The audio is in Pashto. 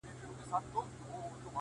د شپې ویښ په ورځ ویده نه په کارېږي-